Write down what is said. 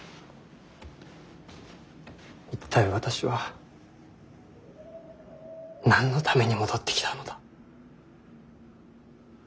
一体私は何のために戻ってきたのだ。